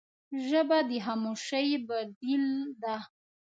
ژبه د خاموشۍ بدیل ده